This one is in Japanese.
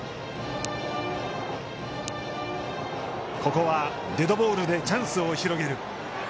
ここはデッドボールでチャンスを広げる。